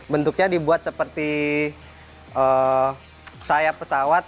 bentuknya dibuat seperti sayap pesawat